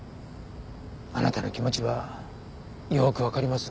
あなたの気持ちはよくわかります。